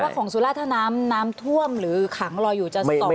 แปลว่าของสุราชถ้าน้ำท่วมหรือขังรออยู่